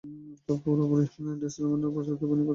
তুমি পুরোপুরি ডেসডেমোনার চরিত্রে অভিনয় করতে পারবে।